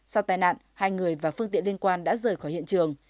sau tai nạn hai người và phương tiện liên quan đã rời khỏi hiện trường